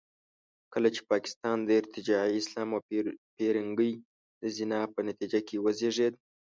کله چې پاکستان د ارتجاعي اسلام او پیرنګۍ د زنا په نتیجه کې وزېږېد.